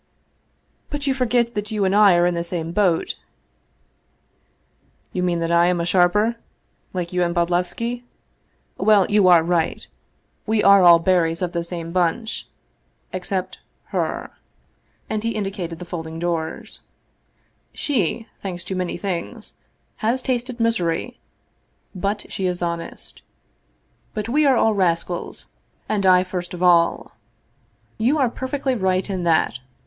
" But you forget that you and I are in the same boat." " You mean that I am a sharper, like you and Bod levski? Well, you are right. We are all berries of the 224 Vsevolod Vladimir ovitch Krestovski same bunchexcept her " (and he indicated the folding doors). " She, thanks to many things, has tasted misery, but she is honest But we are all rascals, and I first of all. You are perfectly right in that.